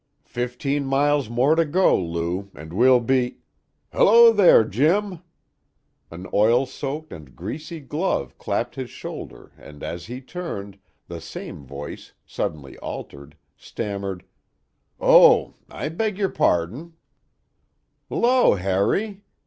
Fifteen miles more to go, Lou, and we'll be " "Hello, there, Jim." An oil soaked and greasy glove clapped his shoulder and as he turned, the same voice, suddenly altered, stammered: "Oh, I beg your pardon " "'Lo, Harry!"